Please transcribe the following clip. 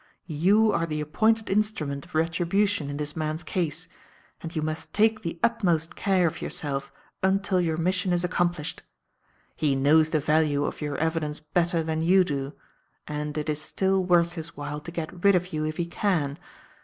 You are the appointed instrument of retribution in this man's case, and you must take the utmost care of yourself until your mission is accomplished. He knows the value of your evidence better than you do, and it is still worth his while to get rid of you if he can.